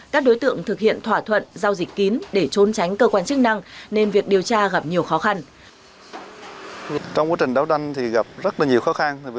các đối tượng thực hiện thỏa thuận giao dịch kín để trốn tránh cơ quan chức năng nên việc điều tra gặp nhiều khó khăn